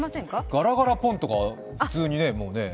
ガラガラポンとか普通に、ねえ。